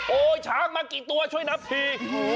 ช้างมากี่ตัวช่วยนับที